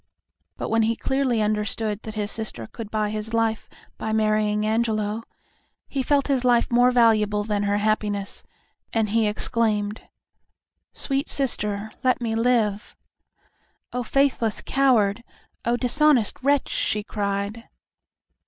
But when he clearly understood that his sister could buy his life by marrying Angelo, he felt his life more valuable than her happiness, and he exclaimed, "Sweet sister, let me live." "O faithless coward! O dishonest wretch!" she cried.